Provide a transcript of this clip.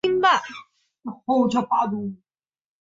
这时候出现了四大书院的说法。